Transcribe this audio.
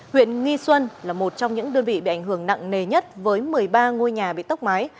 huyện nghi xuân là một trong những đơn vị bị ảnh hưởng nặng nề nhất với một mươi ba ngôi nhà bị tốc mái